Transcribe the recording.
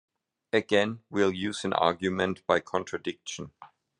Again, we'll use an argument by contradiction.